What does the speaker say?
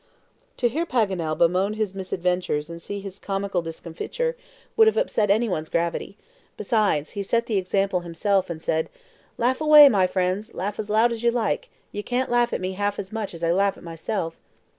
To hear Paganel bemoan his misadventures and see his comical discomfiture, would have upset anyone's gravity. Besides, he set the example himself, and said: "Laugh away, my friends, laugh as loud as you like; you can't laugh at me half as much as I laugh at myself!"